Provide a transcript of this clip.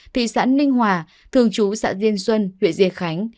thị xã ninh hòa thường chú xã diên xuân huyện diên khánh